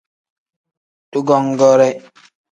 Dugongoore.